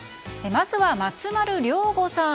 まずは、松丸亮吾さん。